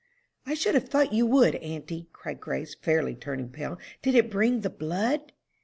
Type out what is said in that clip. "I should have thought you would, auntie," cried Grace, fairly turning pale. "Did it bring the blood?"